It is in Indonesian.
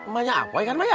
maanya apoaik adanya